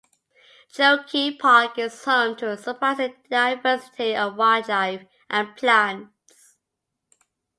Cherokee Park is home to a surprising diversity of wildlife and plants.